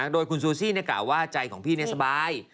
โดยคุณซูซี่ธ์เนี่ยกล่าวว่าใจของพี่เนี่ยสบาย